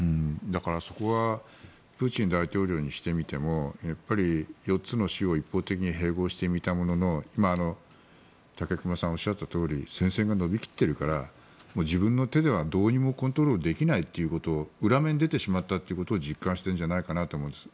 そこはプーチン大統領にしてみてもやっぱり４つの州を一方的に併合してみたものの今、武隈さんがおっしゃったとおり戦線が延び切っているから自分の手ではどうにもコントロールできないということ裏目に出てしまったということを実感しているんじゃないかと思うんです。